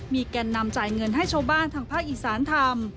มีแก่นนำจ่ายเงินให้ชาวบ้านทางภาคอีสานทำ